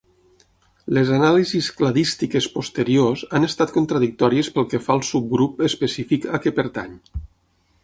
Les anàlisis cladístiques posteriors han estat contradictòries pel que fa al subgrup específic a què pertany.